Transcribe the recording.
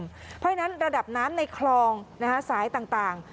เพราะฉะนั้นระดับน้ำในคลองสายต่าง